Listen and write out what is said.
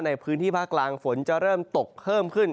ในพื้นที่ภาคกลางฝนจะเริ่มตกเพิ่มขึ้น